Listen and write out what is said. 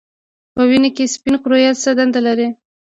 په وینه کې سپین کرویات څه دنده لري